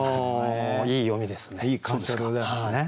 いやいい読みですね。